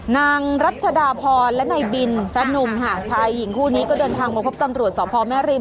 นางรัชดาพรและนายบินแฟนนุ่มค่ะชายหญิงคู่นี้ก็เดินทางมาพบตำรวจสพแม่ริม